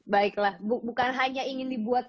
baiklah bukan hanya ingin dibuat